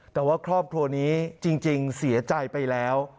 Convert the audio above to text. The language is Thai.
แต่ว่าครอบครัวนี้จริงเสียใจไปแล้ว